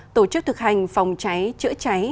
tổ chức thực hành phòng cháy chữa cháy